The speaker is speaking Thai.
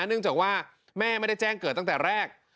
เนื่องจากว่าแม่ไม่ได้แจ้งเกิดตั้งแต่แรก